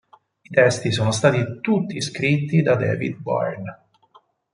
I testi sono stati tutti scritti da David Byrne.